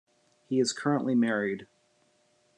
He is currently married.